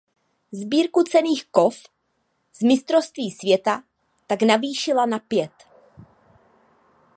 Sbírku cenných kov z mistrovství světa tak navýšila na pět.